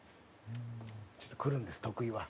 ちょっとくるんです徳井は。